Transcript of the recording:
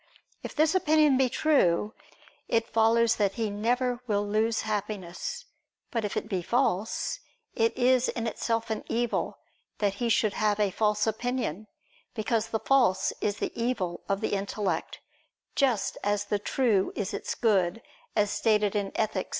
If this opinion be true, it follows that he never will lose happiness: but if it be false, it is in itself an evil that he should have a false opinion: because the false is the evil of the intellect, just as the true is its good, as stated in _Ethic.